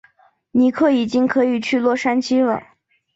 尼可已经可以去洛杉矶了。